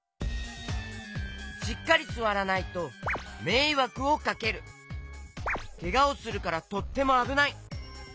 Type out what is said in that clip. しっかりすわらないとけがをするからとってもあぶない。